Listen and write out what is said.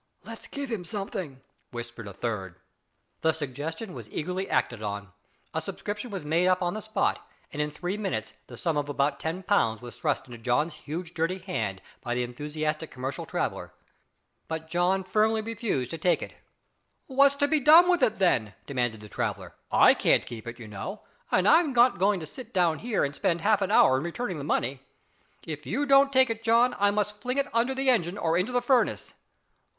"Let's give him something," whispered a third. The suggestion was eagerly acted on. A subscription was made on the spot, and in three minutes the sum of about ten pounds was thrust into John's huge dirty hand by the enthusiastic commercial traveller. But John firmly refused to take it. "What's to be done with it, then?" demanded the traveller, "I can't keep it, you know, and I'm not going to sit down here and spend half an hour in returning the money. If you don't take it John, I must fling it under the engine or into the furnace."